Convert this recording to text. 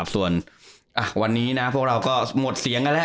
ส่วนวันนี้พวกเราก็หมดเสียงกันแล้ว